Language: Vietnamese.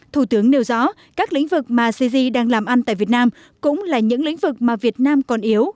thủ tướng nêu rõ các lĩnh vực mà cgi đang làm ăn tại việt nam cũng là những lĩnh vực mà việt nam còn yếu